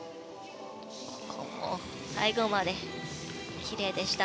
最後まできれいでした。